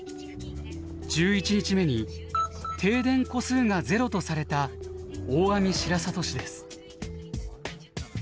１１日目に停電戸数がゼロとされた大網白里市です。